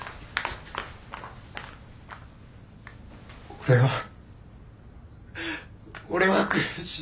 ・俺は俺は悔しい。